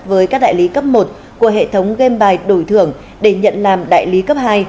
với các đại lý cấp một của hệ thống game bài đổi thưởng để nhận làm đại lý cấp hai